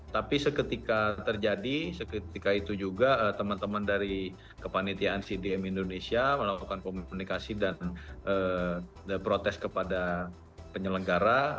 tapi seketika terjadi seketika itu juga teman teman dari kepanitiaan cdm indonesia melakukan komunikasi dan protes kepada penyelenggara